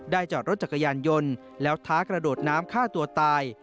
จอดรถจักรยานยนต์แล้วท้ากระโดดน้ำฆ่าตัวตาย